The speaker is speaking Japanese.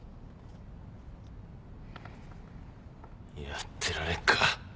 やってられっか。